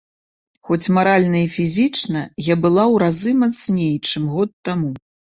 Хоць маральна і фізічна я была ў разы мацней, чым год таму.